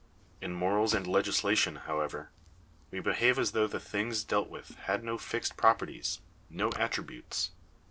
In morals and legislation, however, we behave as though the things dealt with had no fixed properties, no attributes.